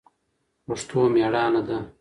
پښتو مېړانه ده